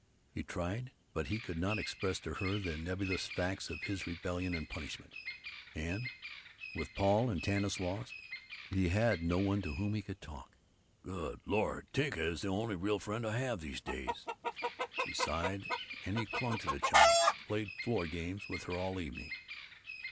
He tried, but he could not express to her the nebulous facts of his rebellion and punishment. And, with Paul and Tanis lost, he had no one to whom he could talk. "Good Lord, Tinka is the only real friend I have, these days," he sighed, and he clung to the child, played floor games with her all evening.